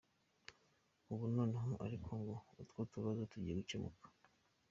Ubu noneho ariko ngo “utwo tubazo tugiye gucyemuka.”